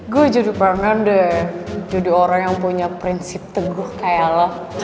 gue jadi pengen deh jadi orang yang punya prinsip teguh kayak lo